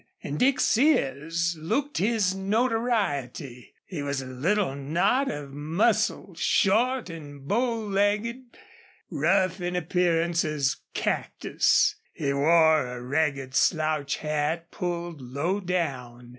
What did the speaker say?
And Dick Sears looked his notoriety. He was a little knot of muscle, short and bow legged, rough in appearance as cactus. He wore a ragged slouch hat pulled low down.